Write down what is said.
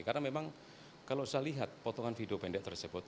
karena memang kalau saya lihat potongan video pendek tersebut